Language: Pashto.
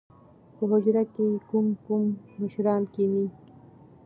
په حجره کښې کوم کوم مشران کښېني؟